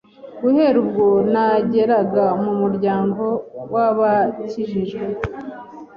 Guhera ubwo nageraga mu muryango w’abakijijwe